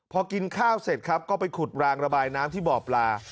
พอกินข้าวเสร็จครับก็ไปขุดรางระบายน้ำที่บ่อปลา